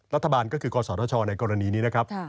รัฐบาลก็คือกศธชในกรณีนี้นะครับ